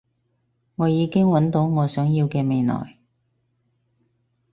我已經搵到我想要嘅未來